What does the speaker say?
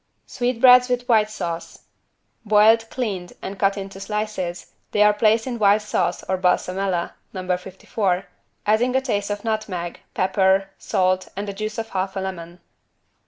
=Sweetbreads with white sauce.= Boiled, cleaned and cut into slices, they are placed in white sauce or =balsamella= (No. 54) adding a taste of nutmeg, pepper, salt and the juice of half a lemon.